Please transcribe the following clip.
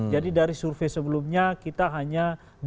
jadi dari survei sebelumnya kita hanya dua puluh lima